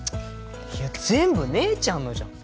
いや全部姉ちゃんのじゃん